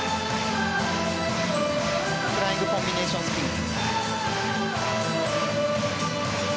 フライングコンビネーションスピン。